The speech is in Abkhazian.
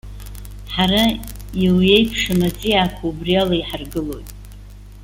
Ҳара иеиуеиԥшым аҵиаақәа убриала иҳаргылоит.